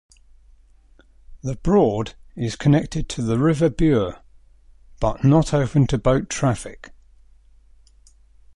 The broad is connected to the River Bure, but not open to boat traffic.